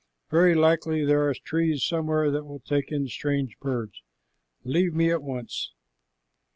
Very likely there are trees somewhere that will take in strange birds. Leave me at once."